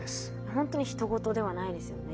本当にひと事ではないですよね。